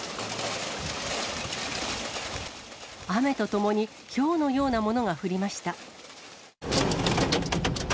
雨とともに、ひょうのようなものが降りました。